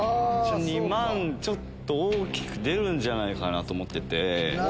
２万ちょっと大きく出るんじゃないかなと思ってて。